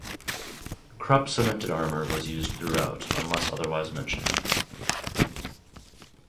Krupp cemented armour was used throughout, unless otherwise mentioned.